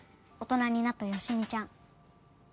大人になった好美ちゃん。